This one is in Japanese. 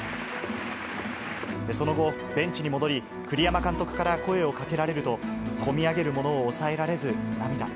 その後、ベンチに戻り、栗山監督から声をかけられると、込み上げるものを抑えられず、涙。